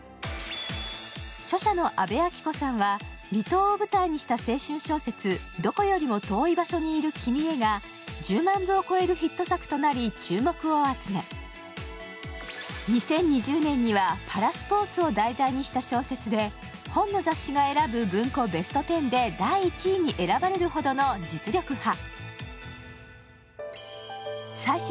著者の阿部暁子さんは離島を舞台にした青春小説、「どこよりも遠い場所にいる君へ」が１０万部を超えるヒット作となり注目を集め２０２０年にはパラスポーツを題材にした小説で「本の雑誌」が選ぶ文庫ベスト１０で第１位に選ばれるほどの実力派。